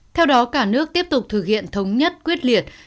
theo đó cả nước tiếp tục thực hiện thống nhất quyết liệt